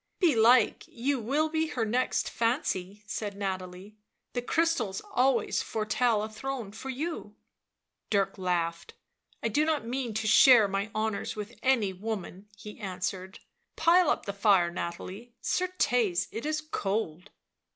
" Belike you will be her next fancy," said Nathalie ;" the crystals always foretell a throne for you." Dirk laughed. " I do not mean to share my honours with any — woman," he answered; " pile up the fire, Nahalie, certes, it is cold."